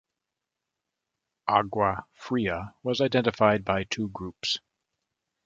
Agua Fria was identified by two groups.